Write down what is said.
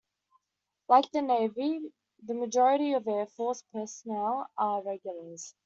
Like the Navy, the majority of Air Force personnel are regulars.